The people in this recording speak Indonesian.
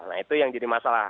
nah itu yang jadi masalah